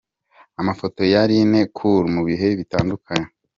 Amafoto yaline Cool mu bihe bitandukanye.